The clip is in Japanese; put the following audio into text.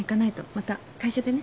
また会社でね。